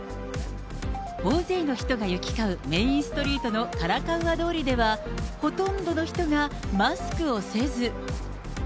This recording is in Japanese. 大勢の人が行き交うメインストリートのカラカウア通りでは、ほとんどの人がマスクをせず。